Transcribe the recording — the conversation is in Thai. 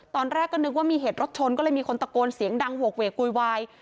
ตอนแรกก็นึกว่ามีเหตุรถชนก็เลยมีคนตะโกนเสียงดังโหกเวกโวยวาย